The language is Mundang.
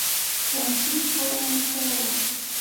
Coŋ hii foroŋ yo to wo.